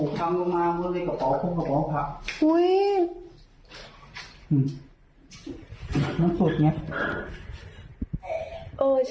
โอ้โหตั้งลงมามันเลยกระเป๋าพรุ่งกระเป๋าผัก